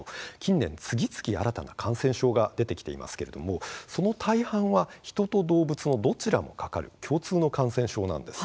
近年、次々新たな感染症が出てきていますけれどもその大半は人と動物のどちらもかかる共通の感染症なんです。